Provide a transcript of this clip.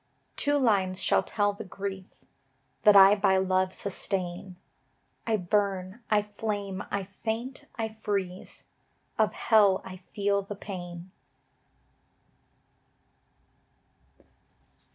Two lines shall tell the grief That I by love sustain: I burn, I flame, I faint, I freeze, Of Hell I feel the pain.